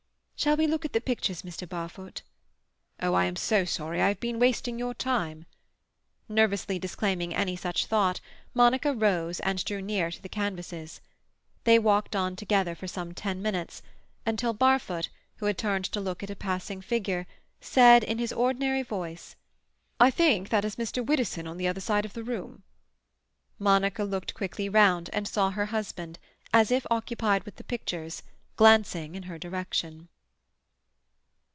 "Shall we look at the pictures, Mr. Barfoot?" "Oh, I am so sorry. I have been wasting your time—" Nervously disclaiming any such thought, Monica rose and drew near to the canvases. They walked on together for some ten minutes, until Barfoot, who had turned to look at a passing figure, said in his ordinary voice— "I think that is Mr. Widdowson on the other side of the room." Monica looked quickly round, and saw her husband, as if occupied with the pictures, glancing in her direction.